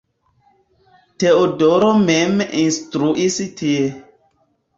Teodoro mem instruis tie.